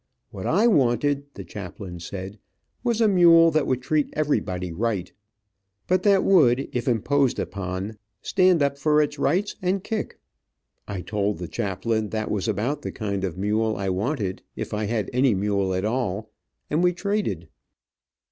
What I wanted, the chaplain said, was a mule that would treat everybody right, but that would, if imposed upon, stand up for its rights and kick. I told the chaplain that was about the kind of mule I wanted, if I had any mule at all, and we traded.